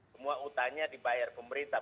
semua hutannya dibayar pemerintah